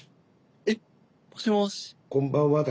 えっ！もしもし。